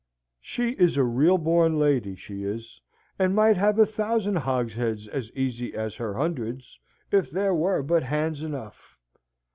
"She is a real born lady, she is; and might have a thousand hogsheads as easy as her hundreds, if there were but hands enough."